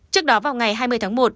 trước đó vào ngày hai mươi tháng một